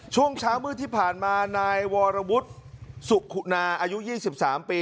ช่วงเช้ามืดที่ผ่านมานายวรวุฒิสุขุนาอายุ๒๓ปี